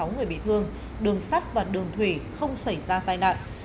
hai mươi sáu người bị thương đường sắt và đường thủy không xảy ra tai nạn